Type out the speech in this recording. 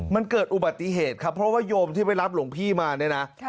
มันเกิดอุบัติเหตุครับเพราะว่าโยมที่ไปรับหลวงพี่มาเนี่ยนะ